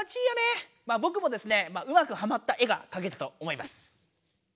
まあぼくもですねうまくハマった絵がかけたと思います。